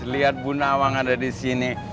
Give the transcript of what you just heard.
lihat bu nawang ada disini